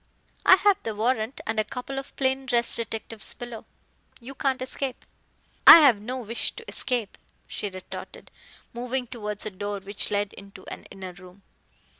"I have the warrant and a couple of plain dress detectives below. You can't escape." "I have no wish to escape," she retorted, moving towards a door which led into an inner room.